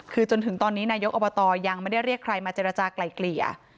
คือจนถึงตอนนี้นายกอบตยังไม่ได้เรียกใครมาเจรจากลายเกลี่ย